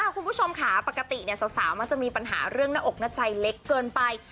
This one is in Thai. คุณผู้ชมค่ะปกติสาวมักจะมีปัญหาเรื่องหน้าอกหน้าใจเล็กเกินไป